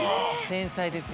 天才ですよ。